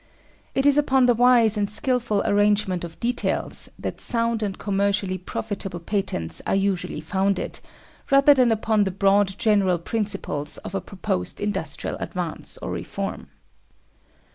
It is upon the wise and skilful arrangement of details that sound and commercially profitable patents are usually founded, rather than upon the broad general principles of a proposed industrial advance or reform.